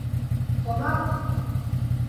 Ҡомаҡ!..